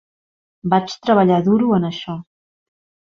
Vaig treballar duro en això!